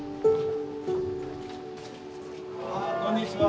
こんにちは。